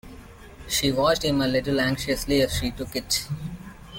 She watched him a little anxiously as she took it.